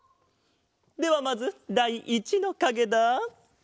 ではまずだい１のかげだ。